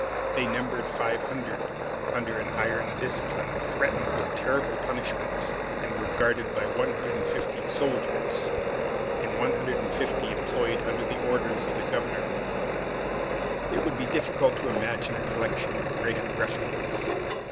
They numbered 500, under an iron discipline, threatened with terrible punishments, and were guarded by 150 soldiers, and 150 employed under the orders of the governor. It would be difficult to imagine a collection of greater ruffians.